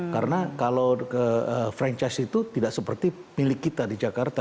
karena kalau franchise itu tidak seperti milik kita di jakarta